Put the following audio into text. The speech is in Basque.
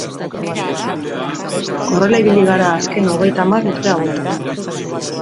Horrela ibili gara azken hogeita hamar urte hauetan.